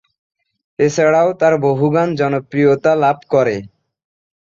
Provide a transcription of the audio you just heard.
এছাড়াও তার বহু গান জনপ্রিয়তা লাভ করে।